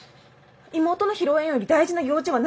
妹の披露宴より大事な用事は何？